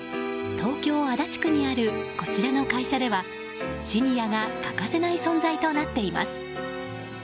東京・足立区にあるこちらの会社ではシニアが欠かせない存在となっています。